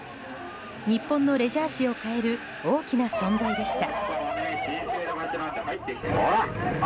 日本のレジャー史を変える大きな存在でした。